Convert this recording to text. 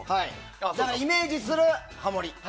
イメージするハモリ。